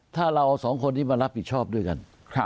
ถ้าเราเอาสองคนนี้มารับผิดชอบด้วยกัน